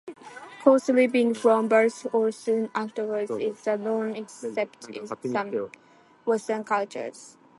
Co-sleeping from birth or soon afterwards is the norm except in some Western cultures.